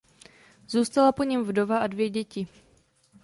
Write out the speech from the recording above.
Zůstala po něm vdova a dvě děti.